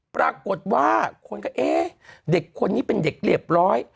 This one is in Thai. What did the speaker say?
ปรากฏว่าคนก็เอ๊ะเด็กคนนี้เป็นเด็กเรียบร้อย